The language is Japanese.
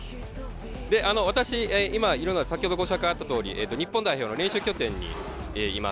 私、今いるのは、先ほどご紹介あったとおり、日本代表の練習拠点にいます。